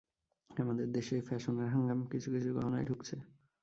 আমাদের দেশে এ ফ্যাশনের হাঙ্গাম কিছু কিছু গহনায় ঢুকছে।